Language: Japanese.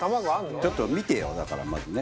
ちょっと見てよだからまずね